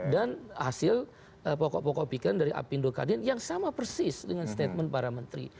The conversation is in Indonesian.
dan hasil pokok pokok pikiran dari apindo kadin yang sama persis dengan statement para menteri